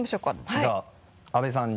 じゃあ阿部さんに。